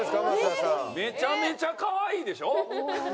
めちゃめちゃかわいいでしょ？